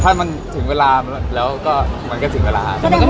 ถ้ามันถึงเวลาแล้วก็มันก็ถึงเวลา